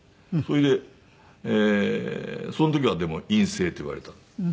それでその時はでも陰性って言われたの。